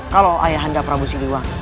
kalau ayahanda prabu siliwan